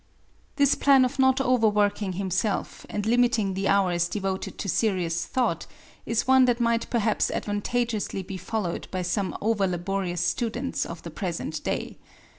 ] This plan of not over working himself, and limiting the hours devoted to serious thought, is one that might perhaps advantageously be followed by some over laborious students of the present day.